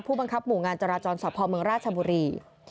บังคับหมู่งานจราจรสพเมืองราชบุรี